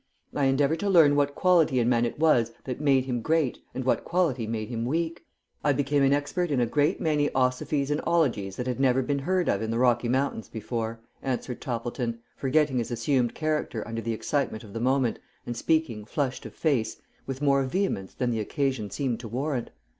I endeavoured to learn what quality in man it was that made him great and what quality made him weak. I became an expert in a great many osophies and ologies that had never been heard of in the Rocky Mountains before," answered Toppleton, forgetting his assumed character under the excitement of the moment and speaking, flushed of face, with more vehemence than the occasion seemed to warrant.